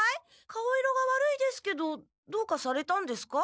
顔色が悪いですけどどうかされたんですか？